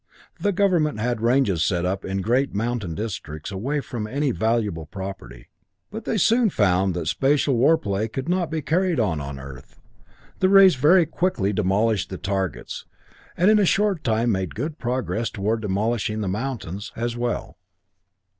The government had ranges set up in great mountain districts away from any valuable property, but they soon found that spatial warplay could not be carried on on Earth. The rays very quickly demolished the targets, and in a short time made good progress toward demolishing the mountains as well.